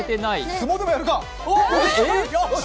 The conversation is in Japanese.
相撲でもやるか！